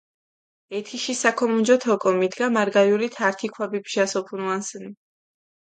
ეთიში საქომონჯოთ ოკო, მიდგა მარგალურით ართი ქვაბი ბჟას ოფუნუანსჷნი.